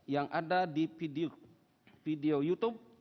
yang ada di video youtube